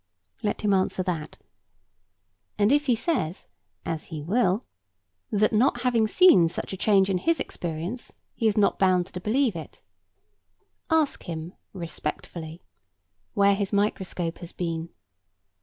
Let him answer that. And if he says (as he will) that not having seen such a change in his experience, he is not bound to believe it, ask him respectfully, where his microscope has been?